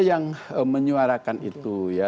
yang menyuarakan itu ya